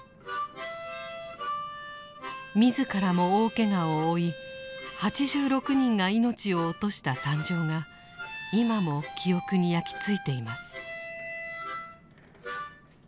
自らも大けがを負い８６人が命を落とした惨状が今も記憶に焼き付いています。